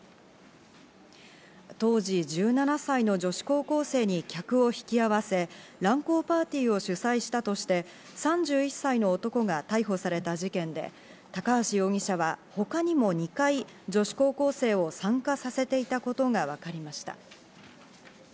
当時１７歳の女子高校生に客を引き合わせ、乱交パーティーを主催したとして、３１歳の男が逮捕された事件で、高橋容疑者は他にも２回、女子高校生を参加させていたことがわかりました。